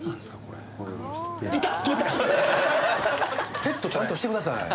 セットちゃんとしてください。